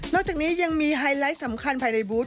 จากนี้ยังมีไฮไลท์สำคัญภายในบูธ